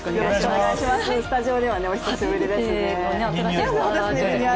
スタジオではお久しぶりですね。